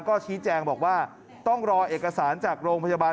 ก็ชี้แจงบอกว่าต้องรอเอกสารจากโรงพยาบาล